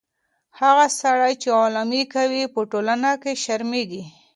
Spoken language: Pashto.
هغه سړی چې غلا کوي، په ټولنه کې شرمېږي.